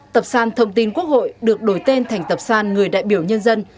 tập sàn thông tin quốc hội được đổi tên thành tập sàn người đại biểu nhân dân